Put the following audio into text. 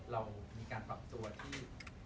เรามีการปรับตัวที่